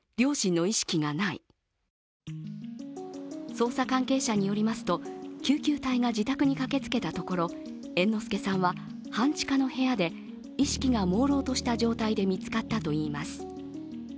捜査関係者によりますと、救急隊が自宅に駆けつけたところ猿之助さんは半地下の部屋で意識がもうろうとした状態で見つかったといいます。